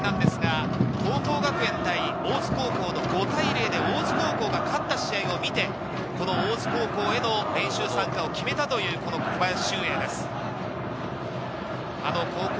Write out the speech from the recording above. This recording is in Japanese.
９７回大会、神奈川県の出身なんですが、桐光学園対大津高校の５対０で大津高校が勝った試合を見て、大津高校への練習参加を決めたという小林俊瑛です。